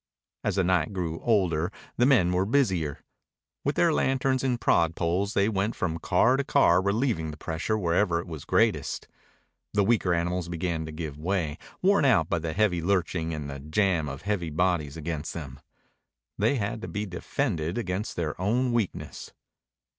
As the night grew older both men were busier. With their lanterns and prod poles they went from car to car relieving the pressure wherever it was greatest. The weaker animals began to give way, worn out by the heavy lurching and the jam of heavy bodies against them. They had to be defended against their own weakness.